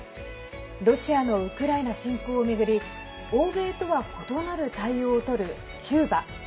ロシアのウクライナ侵攻を巡り欧米とは異なる対応をとるキューバ。